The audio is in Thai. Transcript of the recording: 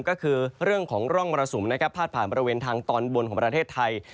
ก็คือเรื่องของร่องมรสุมนะครับพาดผ่านบริเวณทางตอนบนของประเทศไทย